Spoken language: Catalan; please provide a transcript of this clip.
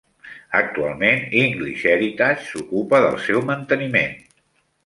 Actualment, English Heritage s'ocupa del seu manteniment.